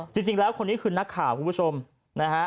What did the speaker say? จริงแล้วคนนี้คือนักข่าวคุณผู้ชมนะฮะ